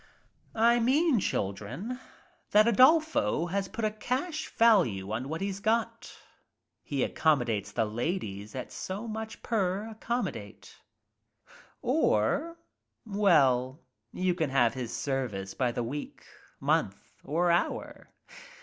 "I megh, children, that Adolfo has put a cash value on what he's got. He accommodates the ladies at so much per accommodate or — well, you can ftave his services by the week, month, or hour.